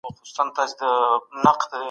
هيڅکله د خپل ځان او کورنۍ وقار ته زيان مه رسوه.